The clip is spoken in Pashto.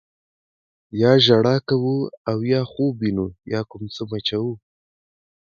یا ژړا کوو او یا خوب وینو یا کوم څه مچوو.